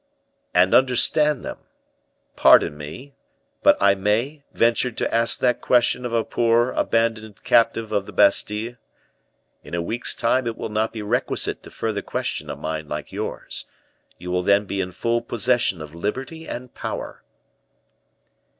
"And understand them? Pardon me, but I may venture to ask that question of a poor, abandoned captive of the Bastile? In a week's time it will not be requisite to further question a mind like yours. You will then be in full possession of liberty and power."